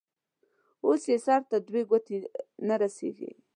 اوس يې سر ته دوې گوتي نه رسېږي.